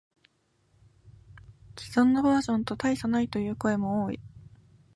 既存のバージョンと大差ないという声も多い